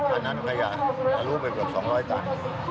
อันนั้นขยะทะลุไปเกือบ๒๐๐ตัน